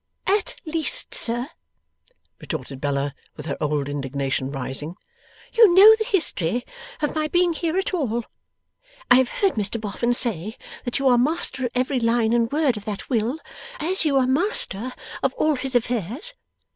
'At least, sir,' retorted Bella, with her old indignation rising, 'you know the history of my being here at all. I have heard Mr Boffin say that you are master of every line and word of that will, as you are master of all his affairs.